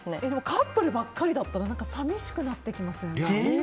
カップルばっかりだったら寂しくなってきません？